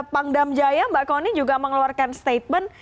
pangdamjaya mbak koni juga mengeluarkan statement